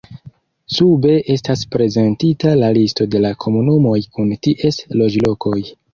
Sube estas prezentita la listo de la komunumoj kun ties loĝlokoj.